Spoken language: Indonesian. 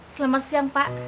selamat siang pak